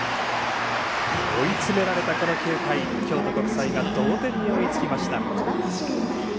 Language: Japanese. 追い詰められた９回、京都国際が同点に追いつきました。